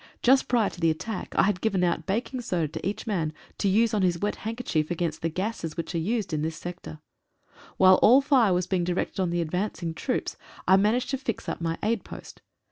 Just prior to the attack I had given out baking soda to each man to use on his wet handkerchief against the gases which are used in this sector. While all the fire was being directed on the advancing troops I man aged to fix up my aid post.